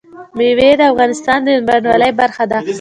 مېوې د افغانستان د بڼوالۍ برخه ده.